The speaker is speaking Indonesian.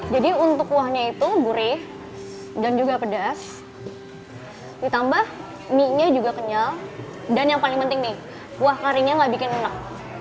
jadi untuk kuahnya itu gurih dan juga pedas ditambah mie nya juga kenyal dan yang paling penting nih kuah karinya gak bikin enak